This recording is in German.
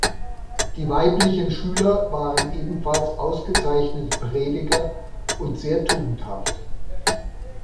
Die weiblichen Schüler waren ebenfalls ausgezeichnete Prediger und sehr tugendhaft.